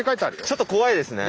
ちょっと怖いですね。